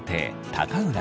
高浦